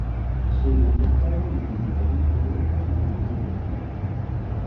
Segue il dettaglio del numero di imprese per numero di addetti.